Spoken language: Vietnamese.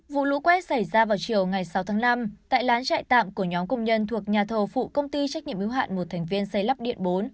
vụ lũ quét xảy ra vào chiều ngày sáu tháng năm tại lán trại tạm của nhóm công nhân thuộc nhà thầu phụ công ty trách nhiệm yếu hạn một thành viên xây lắp điện bốn